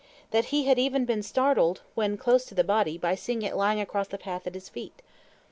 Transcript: That he had even been startled when close to the body by seeing it lying across the path at his feet.